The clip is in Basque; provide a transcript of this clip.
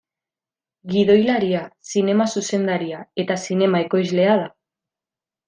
Gidoilaria, zinema zuzendaria eta zinema ekoizlea da.